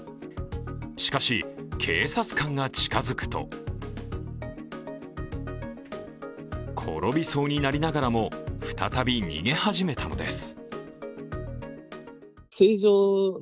しかし、警察官が近づくと転びそうになりながらも、再び逃げ始めたのです。